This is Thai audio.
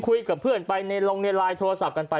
คุยกับเพื่อนไปในลงในไลน์โทรศัพท์กันไป